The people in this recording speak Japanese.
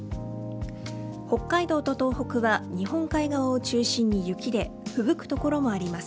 北海道と東北は日本海側を中心に雪でふぶく所もあります。